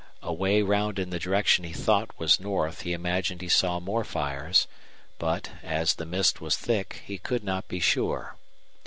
Away round in the direction he thought was north he imagined he saw more fires, but, as the mist was thick, he could not be sure.